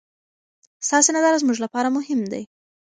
ستاسې نظر زموږ لپاره مهم دی.